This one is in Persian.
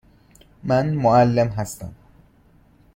من معلم هستم.